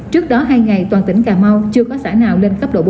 trước đó hai ngày toàn tỉnh cà mau chưa có xã nào lên cấp độ bốn